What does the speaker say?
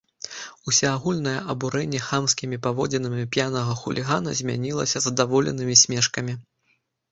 Усеагульнае абурэнне хамскімі паводзінамі п'янага хулігана змянілася задаволенымі смешкамі.